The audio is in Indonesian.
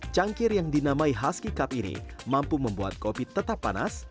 cangkir yang dinamai husky cup ini mampu membuat kopi tetap panas